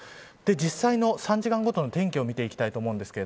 実際の３時間ごとの天気を見ていきます。